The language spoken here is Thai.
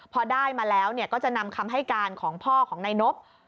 พอได้มาแล้วก็จะนำคำให้การของพ่อของนายนบ